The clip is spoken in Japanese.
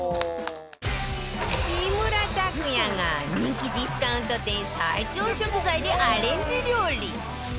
木村拓哉が人気ディスカウント店最強食材でアレンジ料理